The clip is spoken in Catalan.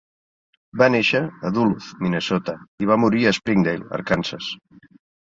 Va néixer a Duluth, Minnesota, i va morir a Springdale, Arkansas.